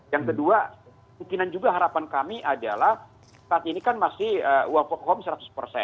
yang kedua mungkinan juga harapan kami adalah saat ini kan masih wapur wapur seratus